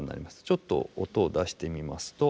ちょっと音を出してみますと。